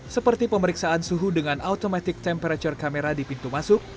seperti pemeriksaan suhu dengan automatic temperature kamera di pintu masuk